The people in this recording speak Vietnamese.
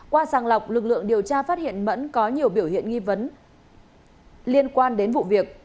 qua sàng lọc lực lượng điều tra phát hiện mẫn có nhiều biểu hiện nghi vấn liên quan đến vụ việc